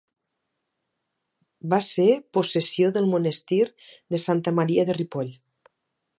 Va ser possessió del monestir de Santa Maria de Ripoll.